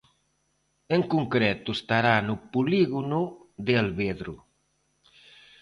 En concreto estará no polígono de Alvedro.